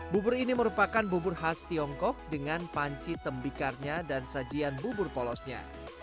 bubur ini merupakan bubur khas tiongkok dengan panci tembikarnya dan sajian bubur polosnya